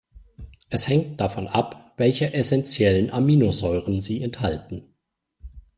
Es hängt davon ab, welche essenziellen Aminosäuren sie enthalten.